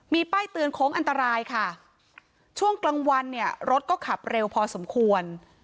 มีป้ายเตือนโค้งอันตรายค่ะช่วงกลางวันเนี่ยรถก็ขับเร็วพอสมควร